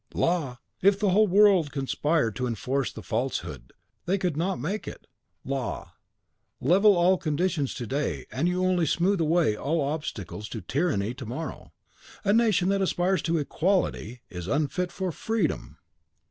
"Law! If the whole world conspired to enforce the falsehood they could not make it LAW. Level all conditions to day, and you only smooth away all obstacles to tyranny to morrow. A nation that aspires to EQUALITY is unfit for FREEDOM.